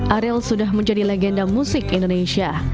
ariel sudah menjadi legenda musik indonesia